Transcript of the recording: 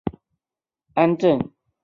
现任大使是长岭安政。